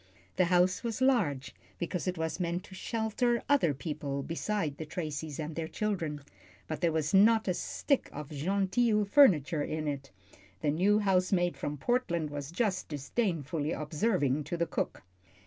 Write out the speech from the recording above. The house was large, because it was meant to shelter other people beside the Tracys and their children, but there was not a stick of "genteel" furniture in it, the new housemaid from Portland was just disdainfully observing to the cook.